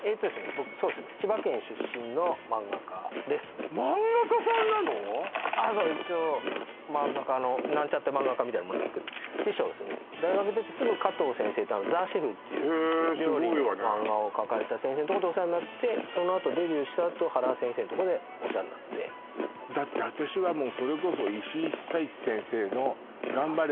僕そうっすね千葉県出身の漫画家ですあっそう一応漫画家のなんちゃって漫画家みたいなもんなんすけど師匠ですね大学出てすぐ加藤先生って「ザ・シェフ」っていう料理の漫画を描かれた先生の所でお世話になってそのあとデビューしたあと原先生の所でお世話になってだって私はもうそれこそいしいひさいち先生の「がんばれ！！